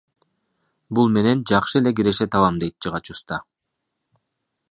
Бул менен жакшы эле киреше табам, — дейт жыгач уста.